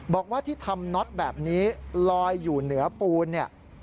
บอกว่าที่ทำน็อตแบบนี้ลอยอยู่เหนือปูนเนี่ย